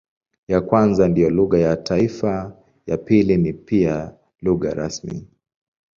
Ya kwanza ndiyo lugha ya taifa, ya pili ni pia lugha rasmi.